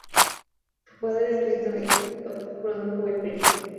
Su padre Ridley Scott produjo el film.